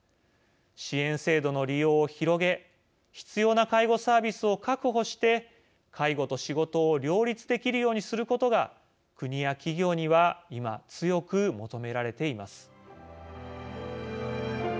支援制度の利用を広げ必要な介護サービスを確保して介護と仕事を両立できるようにすることが国や企業には今、強く求められています。